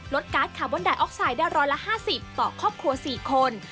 การ์ดคาร์บอนไดออกไซด์ได้๑๕๐ต่อครอบครัว๔คน